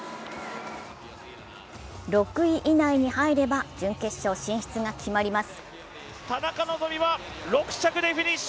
６位以内に入れば準決勝進出が決まります。